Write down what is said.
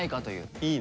いいね。